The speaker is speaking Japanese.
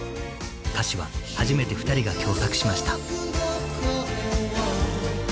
歌詞は初めて２人が共作しました。